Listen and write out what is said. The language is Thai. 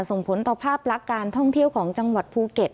ส่งผลต่อภาพลักษณ์การท่องเที่ยวของจังหวัดภูเก็ต